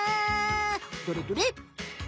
どれどれ？